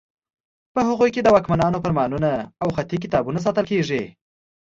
په هغو کې د واکمنانو فرمانونه او خطي کتابونه ساتل کیږي.